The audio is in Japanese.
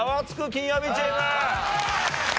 金曜日チーム。